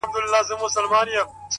حتمآ به ټول ورباندي وسوځيږي ـ